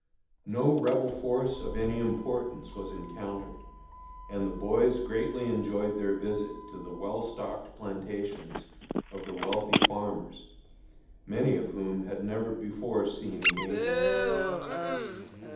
No Rebel force of any importance was encountered, and the boys greatly enjoyed their visit to the well stocked plantations of the wealthy farmers, many of whom had never before seen a Yankee.